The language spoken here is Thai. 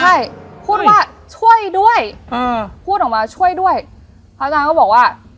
ใช่พูดว่าช่วยด้วยอ่าพูดออกมาช่วยด้วยพระอาจารย์ก็บอกว่า